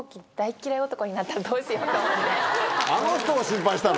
あの人を心配したの？